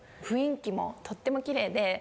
雰囲気もとってもきれいで。